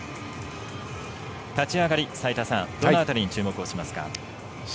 立ち上がり、齋田さんどの辺りに注目をしますか？